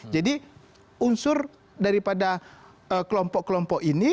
jadi unsur daripada kelompok kelompok ini